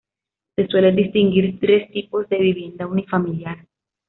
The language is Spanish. Se suelen distinguir tres tipos de vivienda unifamiliar.